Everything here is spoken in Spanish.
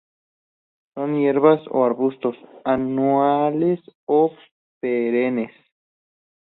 Son hierbas o arbustos, anuales o perennes.